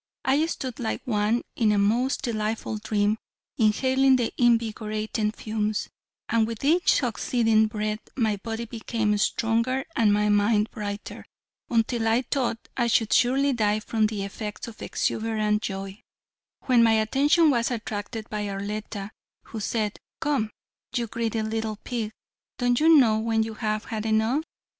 I stood like one in a most delightful dream inhaling the invigorating fumes, and with each succeeding breath my body became stronger and my mind brighter until I thought I should surely die from the effects of exuberant joy, when my attention was attracted by Arletta, who said: "Come, you greedy little pig, don't you know when you have had enough?"